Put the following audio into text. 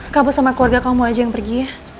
kamu sama keluarga kamu aja yang pergi ya